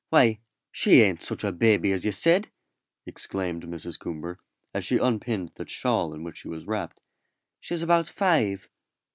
"Why, she ain't such a baby as you said," exclaimed Mrs. Coomber, as she unpinned the shawl in which she was wrapped; "she is about five."